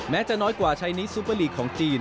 จะน้อยกว่าชัยนิดซุปเปอร์ลีกของจีน